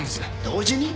同時に！？